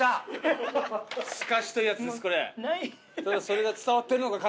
それが伝わってるのか？